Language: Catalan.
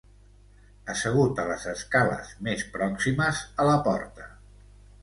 Assegut a les escales més pròximes a la porta.